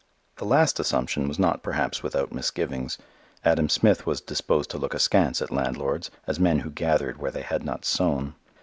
The last assumption was not perhaps without misgivings: Adam Smith was disposed to look askance at landlords as men who gathered where they had not sown.